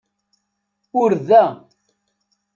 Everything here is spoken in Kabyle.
Ur da.